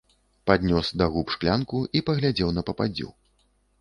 Паднёс да губ шклянку і паглядзеў на пападдзю.